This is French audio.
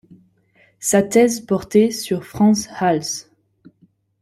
Sa thèse portait sur Frans Hals.